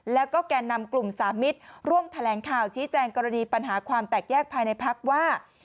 แล้วก็แก่นำกลุ่มสามิตรร่วมแถลงข่าวชี้แจงกรณีปัญหาความแตกแยกภายในพักว่า